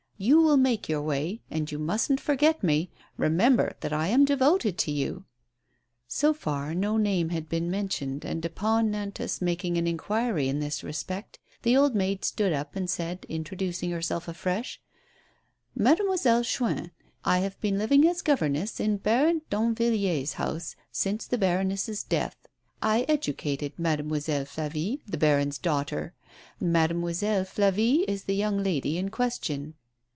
You will make your way; and you mustn't forget me. Eemember that I'm devoted to you." So far no name had been mentioned, and upon Nantas A STARTLING PROPOSITION. 75 making an inquiry in this respect, the old maid stood up and said, introducing herself afresh : "Mademoiselle Chuin; I have been living as gover ness in Baron Danvilliers' family since the baroness' death. I educated Mademoiselle Flavie — the baron's daughter. Mademoiselle Flavie is the young lady in question."